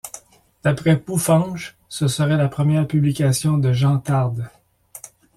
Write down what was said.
D'après Bouffanges, ce serait la première publication de Jean Tarde.